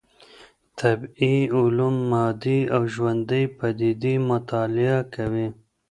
طبيعي علوم مادي او ژوندۍ پديدې مطالعه کوي.